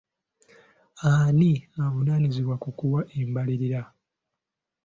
Ani avunaanyizibwa ku kuwa embalirira?